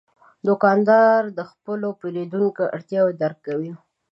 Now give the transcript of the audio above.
دوکاندار د خپلو پیرودونکو اړتیاوې درک کوي.